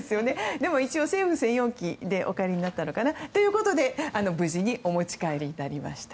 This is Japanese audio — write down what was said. でも一応、政務専用機でお帰りになったのかな。ということで無事にお持ち帰りになりました。